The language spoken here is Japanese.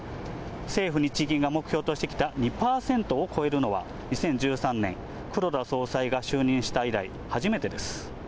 政府・日銀が目標としてきた２％を超えるのは、２０１３年、黒田総裁が就任した以来、初めてです。